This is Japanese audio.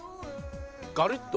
ガリッと？